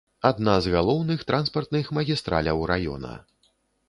Адна з галоўных транспартных магістраляў раёна.